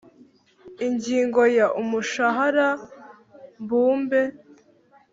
Ingingo ya umushahara mbumbe